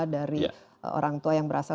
dari orang tua yang berasal